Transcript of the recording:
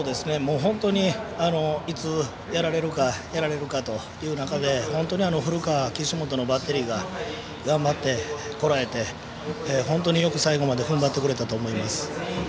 本当にいつ、やられるかやられるかという中で本当に古川、岸本のバッテリーが頑張って、こらえて本当によく最後までふんばってくれたと思います。